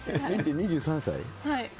２３歳。